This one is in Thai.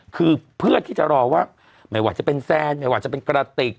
คือเพื่อที่จะรอว่าไม่ว่าจะเป็นแซนไม่ว่าจะเป็นกระติก